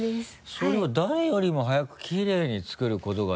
それを誰よりも速くきれいに作ることができる。